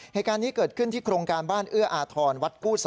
เหตุการณ์นี้เกิดขึ้นที่โครงการบ้านเอื้ออาทรวัดกู้๒